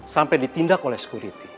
sampai ditindak oleh sekuriti